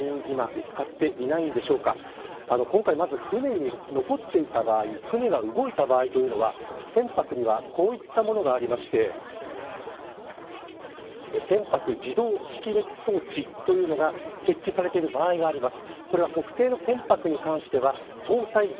今回、船に残っていた場合船が動いた場合というのは船舶にはこういったものがありまして船舶自動識別装置というのが設置されている場合があります。